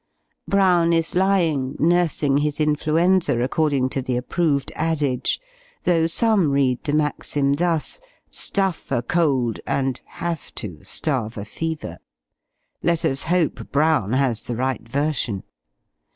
Brown is lying, nursing his influenza according to the approved adage; though some read the maxim thus, "Stuff a cold, and (have to) starve a fever." Let us hope Brown has the right version.